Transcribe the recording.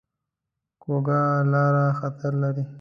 کوږه لاره خطر لري